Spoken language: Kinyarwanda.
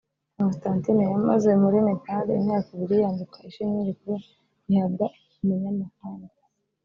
Constantine yamaze muri Nepal imyaka ibiri yambikwa ishimwe rikuru rihabwa umunyamahanga